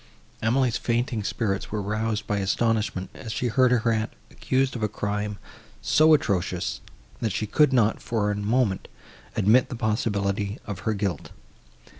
Emily's fainting spirits were roused by astonishment, as she heard her aunt accused of a crime so atrocious, and she could not, for a moment, admit the possibility of her guilt.